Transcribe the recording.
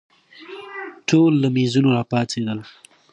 ټوله له مېزونو راپاڅېدو.